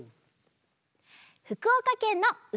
ふくおかけんのう